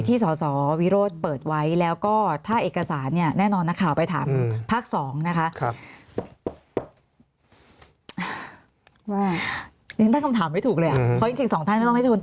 สสวิโรธเปิดไว้แล้วก็ถ้าเอกสารเนี่ยแน่นอนนักข่าวไปถามภาค๒นะคะ